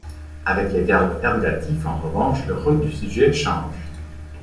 Avec les verbes ergatifs, en revanche, le rôle du sujet change.